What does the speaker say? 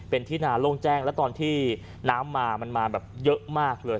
เป็นที่นาโล่งแจ้งแล้วตอนที่น้ำมามันมาแบบเยอะมากเลย